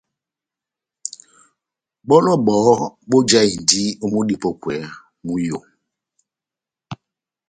Bɔlɔ bɔhɔ́ bojahindi ó múdi múpɔkwɛ mú iyó.